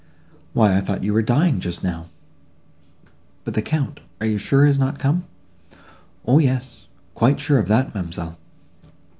why, I thought you were dying, just now." "But the Count—you are sure, is not come?" "O yes, quite sure of that, ma'amselle.